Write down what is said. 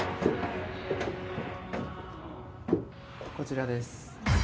こちらです。